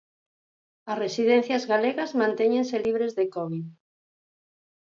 As residencias galegas mantéñense libres de Covid.